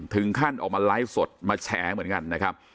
ถึงขั้นออกมาไลฟ์สดมาแชร์เหมือนกันนะครับ